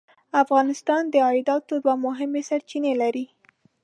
افغانستان د عایداتو دوه مهمې سرچینې لري.